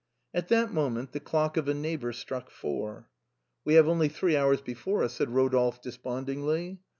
At that moment the clock of a neighbor struck four. " We have only three hours before us," said Rodolphe despondingly.